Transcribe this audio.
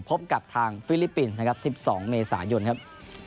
พบกับทางฟิลิปปินส์นะครับ๑๒เมษายนครับ